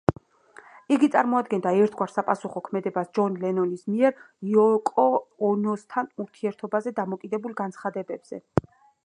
იგი წარმოადგენდა ერთგვარ საპასუხო ქმედებას ჯონ ლენონის მიერ იოკო ონოსთან ურთიერთობაზე გაკეთებულ განცხადებებზე.